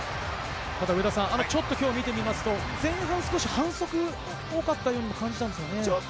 上田さん、今日をちょっと見ますと、前半少し反則が多かったようにも感じたんですよね？